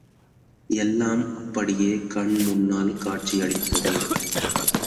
எல்லாம் அப்படியே கண் முன்னால் காட்சியளித்தது.